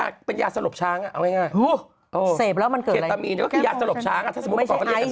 ก็เป็นยาสรบช้างอะเอาให้ง่าย